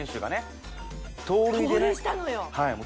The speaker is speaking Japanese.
盗塁したのよ。